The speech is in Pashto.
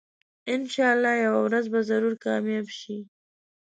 انشاالله یوه ورځ به ضرور کامیاب شم